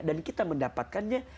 dan kita mendapatkannya